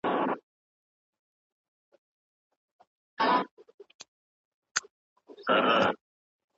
خلک د علم غوښتنه پیل کړې ده.